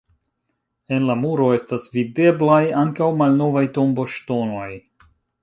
En la muro estas videblaj ankaŭ malnovaj tomboŝtonoj.